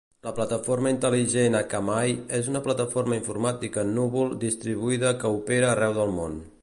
La plataforma intel·ligent Akamai és una plataforma informàtica en núvol distribuïda que opera arreu del món.